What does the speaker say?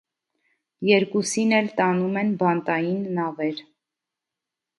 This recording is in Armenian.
Երկուսին էլ տանում են բանտային նավեր։